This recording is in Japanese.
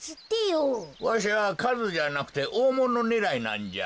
わしはかずじゃなくておおものねらいなんじゃ。